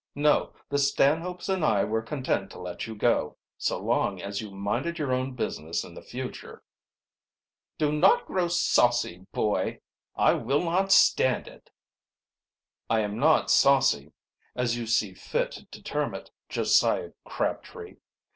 No, the Stanhopes and I were content to let you go so long as you minded your own business in the future." "Do not grow saucy, boy; I will not stand it." "I am not saucy, as you see fit to term it, Josiah Crabtree.